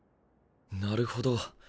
なるほど。